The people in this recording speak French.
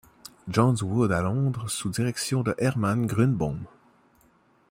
John's Wood à Londres sous la direction de Hermann Grunebaum.